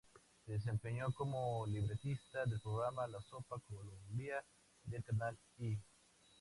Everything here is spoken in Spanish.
Se desempeñó como libretista del programa "La Sopa Colombia", de canal E!